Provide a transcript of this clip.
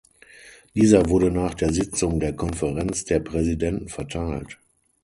Dieser wurde nach der Sitzung der Konferenz der Präsidenten verteilt.